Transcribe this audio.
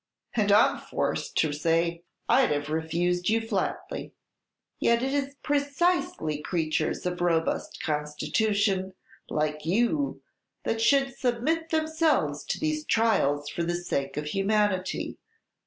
"And I 'm forced to say, I'd have refused you flatly." "Yet it is precisely creatures of robust constitution, like you, that should submit themselves to these trials, for the sake of humanity.